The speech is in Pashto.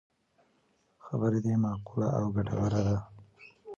خبره دی معقوله او مفیده ده